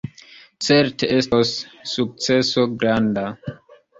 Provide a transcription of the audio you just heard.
Certe estos sukceso granda!